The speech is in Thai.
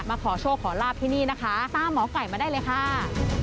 ขอโชคขอลาบที่นี่นะคะตามหมอไก่มาได้เลยค่ะ